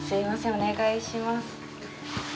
お願いします。